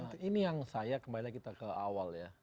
nah ini yang saya kembali lagi ke awal ya